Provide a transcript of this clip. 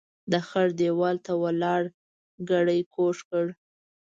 د خړ ديوال ته ولاړ ګړی کوږ کړ.